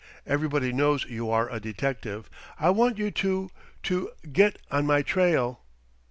Everybody knows you are a detective. I want you to to get on my trail."